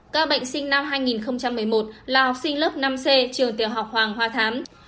các bệnh sinh năm hai nghìn một mươi một là học sinh lớp năm c trường tiểu học hoàng hoa thám